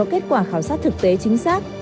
kết quả khảo sát thực tế chính xác